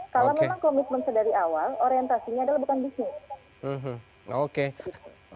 kalau memang komitmen sedari awal orientasinya adalah bukan bisnis